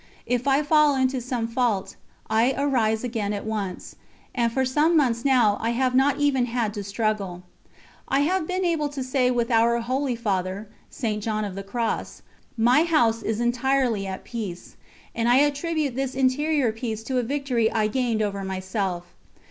If I fall into some fault, I arise again at once and for some months now I have not even had to struggle. I have been able to say with our holy Father, St. John of the Cross: "My house is entirely at peace," and I attribute this interior peace to a victory I gained over myself.